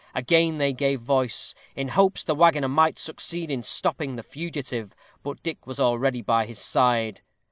Again they gave voice, in hopes the waggoner might succeed in stopping the fugitive. But Dick was already by his side.